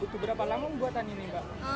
itu berapa lamung buatan ini mbak